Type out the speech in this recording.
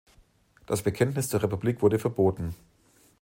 Das Bekenntnis zur Republik wurde verboten.